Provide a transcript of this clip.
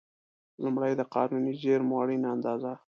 لومړی: د قانوني زېرمو اړینه اندازه.